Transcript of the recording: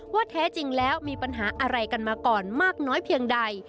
แท้จริงแล้วมีปัญหาอะไรกันมาก่อนมากน้อยเพียงใด